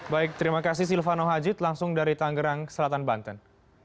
baik terima kasih silvano haji langsung dari tanggerang selatan banten